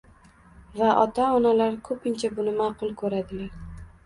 va ota-onalar ko‘pincha buni ma’qul ko‘radilar.